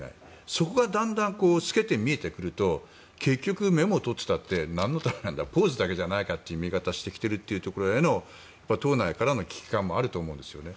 そこがだんだん透けて見えてくると結局メモを取っていたってなんのためなんだポーズなんじゃないかという見え方が党内からの危機感もあると思うんですね。